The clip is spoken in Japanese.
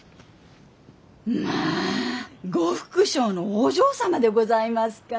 まあ呉服商のお嬢様でございますか。